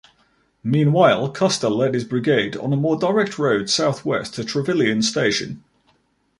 Meanwhile, Custer led his brigade on a more direct road southwest to Trevilian Station.